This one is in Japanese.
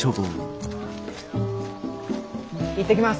行ってきます。